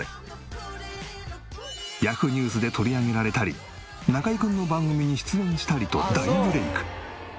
Ｙａｈｏｏ！ニュースで取り上げられたり中居くんの番組に出演したりと大ブレイク。